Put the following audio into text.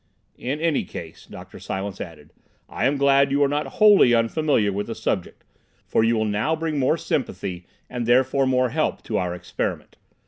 "In any case," Dr. Silence added, "I am glad you are not wholly unfamiliar with the subject, for you will now bring more sympathy, and therefore more help, to our experiment.